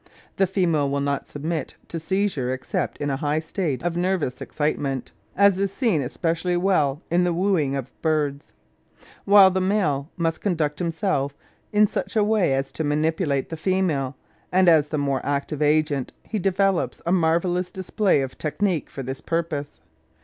The female will not submit to seizure except in a high state of nervous excitation (as is seen especially well in the wooing of birds), while the male must conduct himself in such a way as to manipulate the female; and, as the more active agent, he develops a marvellous display of technique for this purpose.